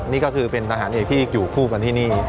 นี่ก็คือเป็นทหารเอกที่อยู่คู่กันที่นี่